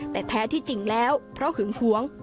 แต่แท้ที่จริงแล้วเพราะหึงหวง